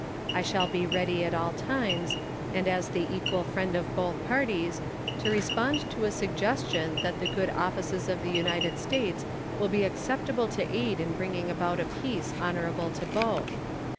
I shall be ready at all times, and as the equal friend of both parties, to respond to a suggestion that the good offices of the United States will be acceptable to aid in bringing about a peace honorable to both.